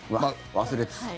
忘れてた。